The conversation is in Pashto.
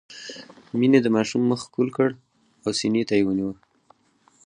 مينې د ماشوم مخ ښکل کړ او سينې ته يې ونيوه.